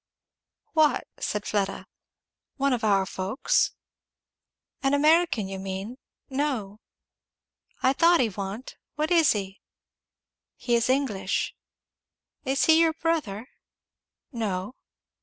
"What?" said Fleda. "One of our folks?" "An American, you mean? No." "I thought he wa'n't What is he?" "He is English." "Is he your brother?" "No."